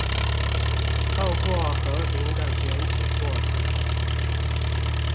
透過和平的選舉過程